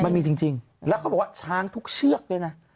มันมีจริงแล้วเขาบอกว่าช้างทุกเชือกด้วยนะ